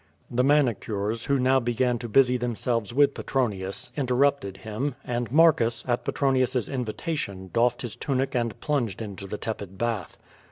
The manicures who now began to busy themselves with Petronius interrupted him, and Marcus, at Petronius's invi tation, doffed his tunic and pllmged into the tepid bath.